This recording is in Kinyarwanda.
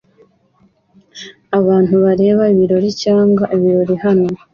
Abantu bareba ibirori cyangwa ibirori hano